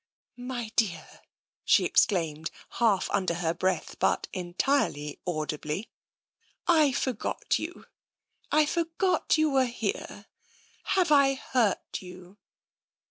"My dear!" she exclaimed half under her breath, but entirely audibly, " I forgot you — I forgot you were here. Have I hurt you